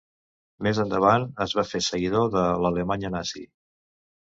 Més endavant es va fer seguidor de l'Alemanya Nazi.